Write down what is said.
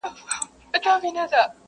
بله چي وي راز د زندګۍ لري،